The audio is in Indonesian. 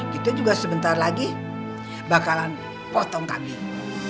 kita juga sebentar lagi bakalan potong kambing